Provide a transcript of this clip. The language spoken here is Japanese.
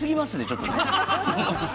ちょっと。